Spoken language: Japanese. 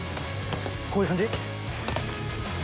こういう感じ？